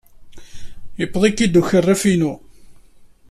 Yuweḍ-ik-id ukaraf-inu?